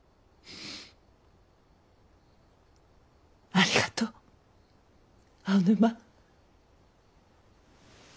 ありがとう青沼。